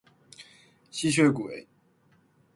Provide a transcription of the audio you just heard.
吸血鬼